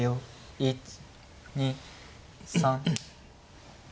１２３。